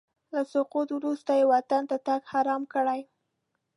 له سقوط وروسته یې وطن ته تګ حرام کړی.